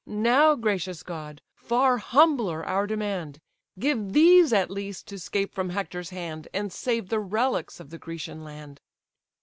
Now, gracious god! far humbler our demand; Give these at least to 'scape from Hector's hand, And save the relics of the Grecian land!"